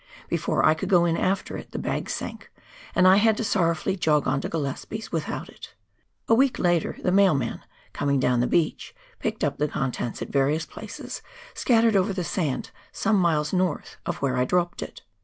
Before I could go in after it the bag sank, and I had to sorrowfully jog on to Gillespies without it. A week later the mailman, coming down the beach, picked up the contents at various places, scattered over the sand some miles north of where I dropped it.